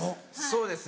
そうですね。